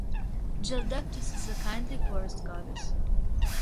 Gyhldeptis is a kindly forest goddess.